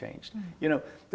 tapi juga ada